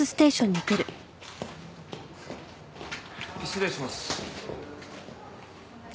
失礼します。